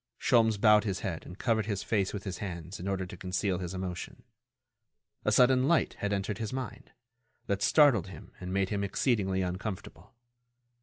Sholmes bowed his head and covered his face with his hands in order to conceal his emotion. A sudden light had entered his mind, that startled him and made him exceedingly uncomfortable.